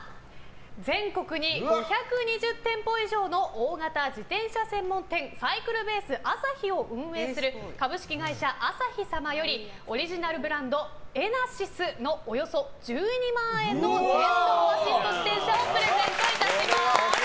全国に５２０店舗以上の大型自転車専門店サイクルベースあさひを運営する株式会社あさひ様よりオリジナルブランドＥＮＥＲＳＹＳのおよそ１２万円の電動アシスト自転車をこれは欲しい！